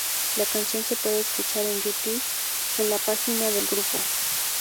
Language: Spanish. La canción se puede escuchar en YouTube y en la página del grupo.